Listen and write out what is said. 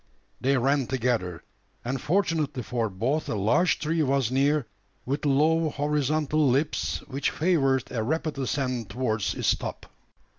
They ran together; and fortunately for both a large tree was near, with low horizontal limbs, which favoured a rapid ascent towards its top.